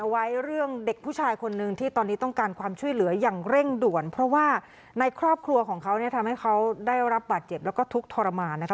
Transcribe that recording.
ไว้เรื่องเด็กผู้ชายคนนึงที่ตอนนี้ต้องการความช่วยเหลืออย่างเร่งด่วนเพราะว่าในครอบครัวของเขาเนี่ยทำให้เขาได้รับบาดเจ็บแล้วก็ทุกข์ทรมานนะคะ